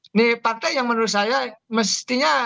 ini partai yang menurut saya mestinya